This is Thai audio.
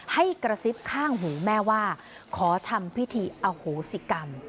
ให้กระซิบข้างหูแม่ว่าขอทำพิธีอโหสิกรรม